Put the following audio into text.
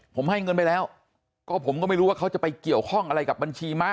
ผมให้เงินไปแล้วก็ผมก็ไม่รู้ว่าเขาจะไปเกี่ยวข้องอะไรกับบัญชีม้า